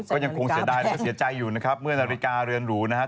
ก็ยังคงเสียใจอยู่นะครับเมื่อนาฬิกาเรือนหรูนะครับ